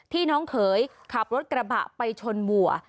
น้องเขยขับรถกระบะไปชนวัว